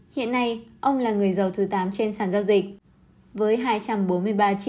hiện nay ông là người giàu thứ tám trên sàn giao dịch